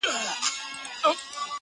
بلبلو باندي اوري آفتونه لکه غشي!!